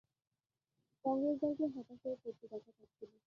কংগ্রেস দলকে হতাশ হয়ে পড়তে দেখা যাচ্ছিল।